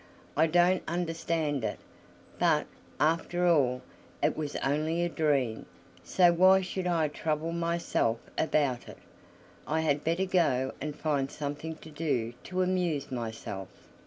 I don't understand it. But, after all, it was only a dream, so why should I trouble myself about it? I had better go and find something to do to amuse myself."